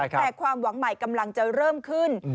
แต่ความหวังใหม่กำลังจะเริ่มขึ้น